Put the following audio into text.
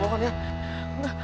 neng di sini aja